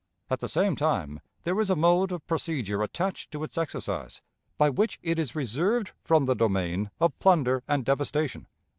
At the same time there is a mode of procedure attached to its exercise by which it is reserved from the domain of plunder and devastation.